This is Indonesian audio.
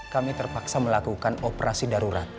kami terpaksa melakukan operasi darurat